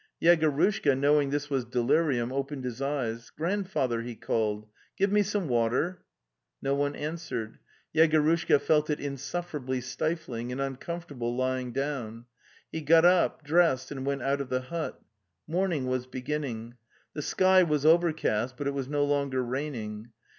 Yegorushka, knowing this was delirium, opened his eyes. '" Grandfather," he called, "' give me some wa fora No one answered. Yegorushka felt it insuffer ably stifling and uncomfortable lying down. He got up, dressed, and went out of the hut. Morning was beginning. The sky was overcast, but it was no longer raining.